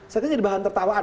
saya kira jadi bahan tertawa